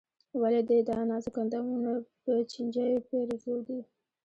ولې دې دا نازک اندامونه په چينجيو پېرزو دي.